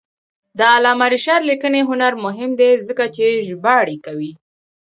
د علامه رشاد لیکنی هنر مهم دی ځکه چې ژباړې کوي.